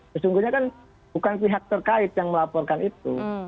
sesungguhnya kan bukan pihak terkait yang melaporkan itu